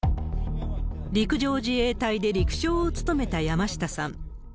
陸上自衛隊で陸将を務めた山下さん。